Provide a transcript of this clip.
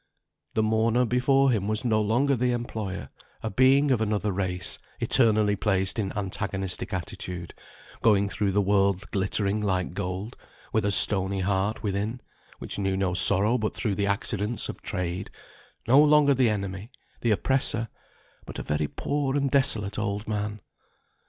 The mourner before him was no longer the employer; a being of another race, eternally placed in antagonistic attitude; going through the world glittering like gold, with a stony heart within, which knew no sorrow but through the accidents of Trade; no longer the enemy, the oppressor, but a very poor and desolate old man.